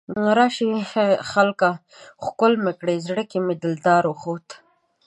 راشئ خلکه ښکل مې کړئ، زړه کې مې دلدار اوخوت